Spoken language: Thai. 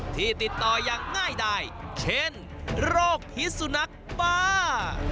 ที่ติดต่อยังง่ายได้เช่นโรคพิสุนักป้า